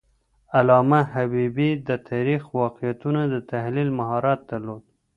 علامه حبیبي د تاریخي واقعیتونو د تحلیل مهارت درلود.